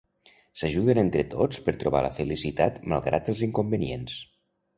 S'ajuden entre tots per trobar la felicitat malgrat els inconvenients.